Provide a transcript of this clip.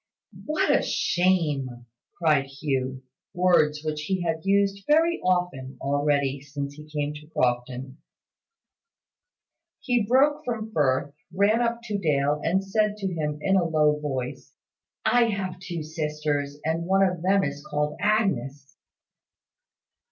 "What a shame!" cried Hugh; words which he had used very often already since he came to Crofton. He broke from Firth, ran up to Dale, and said to him, in a low voice, "I have two sisters, and one of them is called Agnes."